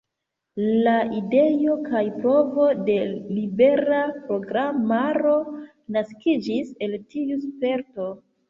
La ideo kaj provo de libera programaro naskiĝis el tiu sperto.